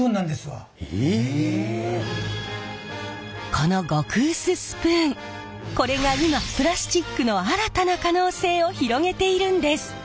この極薄スプーンこれが今プラスチックの新たな可能性を広げているんです！